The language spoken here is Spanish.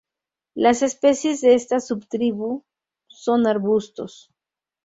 Las especies de esta subtribu son arbustos.